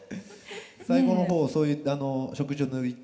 最後の方そういった食事を抜いて。